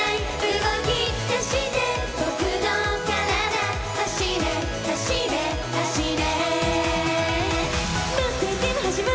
「動き出して僕の体走れ！走れ！走れ！」